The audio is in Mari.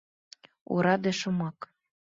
Ораде шомак.